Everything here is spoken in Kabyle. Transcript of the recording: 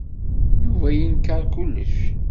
Yuba yenkeṛ kullec.